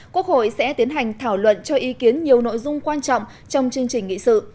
quốc hội sẽ tiến hành thảo luận cho ý kiến nhiều nội dung quan trọng trong chương trình nghị sự